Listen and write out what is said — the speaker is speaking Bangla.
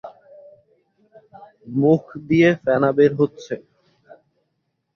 মুখ দিয়ে ফেনা বের হচ্ছে।